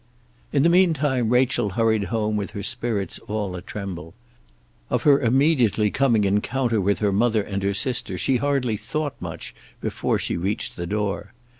In the mean time Rachel hurried home with her spirits all a tremble. Of her immediately coming encounter with her mother and her sister she hardly thought much before she reached the door.